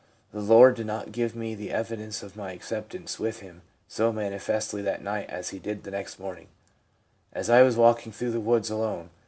The Lord did not give me the evidence of my acceptance with Him so manifestly that night as He did the next morning as I was walking through the woods alone.